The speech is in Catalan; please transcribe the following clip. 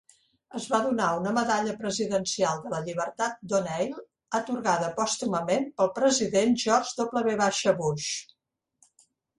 Es va donar una medalla presidencial de la llibertat d'O'Neil atorgada pòstumament pel president George W. Bush.